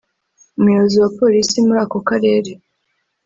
Umuyobozi wa Polisi muri ako Karere